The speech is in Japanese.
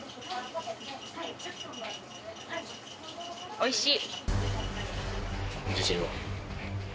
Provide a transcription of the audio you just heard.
おいしい。